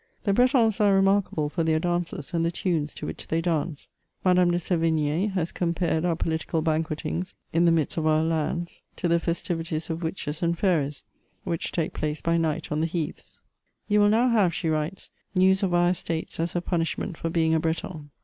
The Bretons are remarkable for their dances and the tunes to which they dance. Madame de Sevigne has compared our political banquetings in the midst of our landes, to the festivities of witches and fairies^ which take place by night on the heaths :" You will now have," she writes, " news of our estates as a punishment for being a Breton.